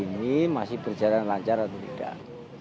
ini masih berjalan lancar atau tidak